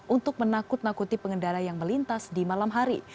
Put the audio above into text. untuk menakut nakuti pengendara yang melintas di malam hari